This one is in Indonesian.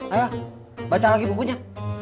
ayah baca lagi bukunya